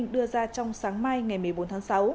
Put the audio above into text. đưa ra trong sáng mai ngày một mươi bốn tháng sáu